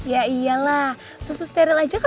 ya iyalah susu steril aja kan berhasil bikin enak ya kan